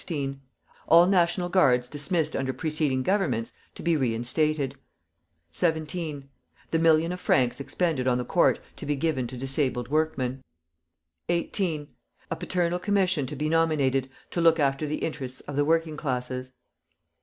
All National Guards dismissed under preceding Governments to be reinstated. 17. The million of francs expended on the court to be given to disabled workmen. 18. A paternal commission to be nominated, to look after the interests of the working classes.